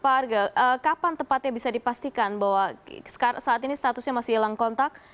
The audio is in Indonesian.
pak arga kapan tepatnya bisa dipastikan bahwa saat ini statusnya masih hilang kontak